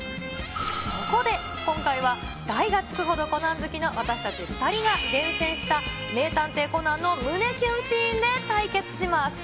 そこで、今回は大がつくほどコナン好きの私たち２人が厳選した名探偵コナンの胸キュンシーンで対決します。